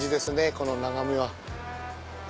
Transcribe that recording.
この眺めは。